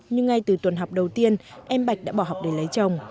nhưng ngay từ tuần học đầu tiên em bạch đã bỏ học để lấy chồng